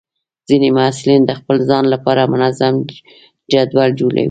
ځینې محصلین د خپل ځان لپاره منظم جدول جوړوي.